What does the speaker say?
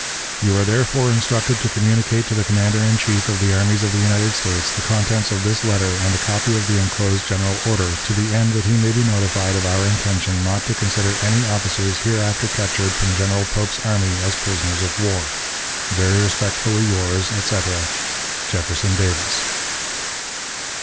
"You are therefore instructed to communicate to the commander in chief of the armies of the United States the contents of this letter and a copy of the inclosed general order, to the end that he may be notified of our intention not to consider any officers hereafter captured from General Pope's army as prisoners of war. Very respectfully, yours, etc., "JEFFERSON DAVIS."